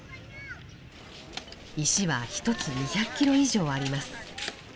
石は１つ２００キロ以上あります。